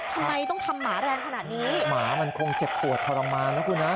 ทำไมต้องทำหมาแรงขนาดนี้หมามันคงเจ็บปวดทรมานนะคุณฮะ